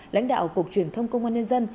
lãnh đạo cục truyền thông công an nhân dân